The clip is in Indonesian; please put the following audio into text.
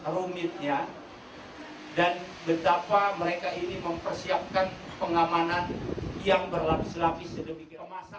rumitnya dan betapa mereka ini mempersiapkan pengamanan yang berlapis lapis sedemikian masa